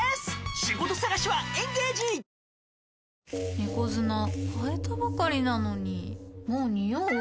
猫砂替えたばかりなのにもうニオう？